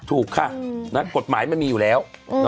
ถูกค่ะกฎหมายมันมีอยู่แล้ว